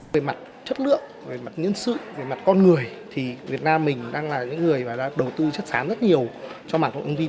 về mặt chất lượng về mặt nhân sự về mặt con người thì việt nam mình đang là những người mà đã đầu tư chất sán rất nhiều cho mạng công ty